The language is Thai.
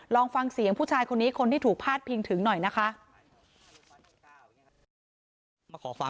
ลองฟังเสียงผู้ชายคนนี้คนที่ถูกพาดพิงถึงหน่อยนะคะ